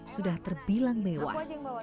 sudah terbilang mewah